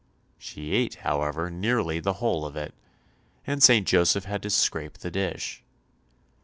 She ate, however, nearly the whole of it, and St. Joseph had to scrape the dish.